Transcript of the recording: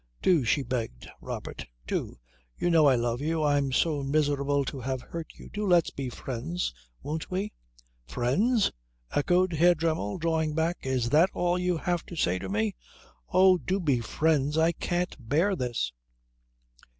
"Do," she begged. "Robert! Do! You know I love you. I'm so miserable to have hurt you. Do let's be friends. Won't we?" "Friends?" echoed Herr Dremmel, drawing back. "Is that all you have to say to me?" "Oh, do be friends! I can't bear this."